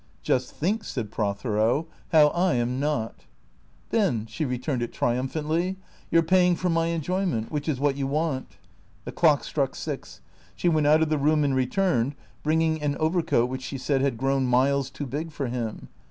" Just think," said Prothero, " how I am not." "Then" (she returned it triumphantly), "you're paying for my enjoyment, which is what you want." The clock struck six. She went out of the room, and returned, bringing an overcoat which she said had grown miles too big for him.